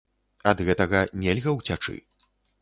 Ад гэтага нельга ўцячы.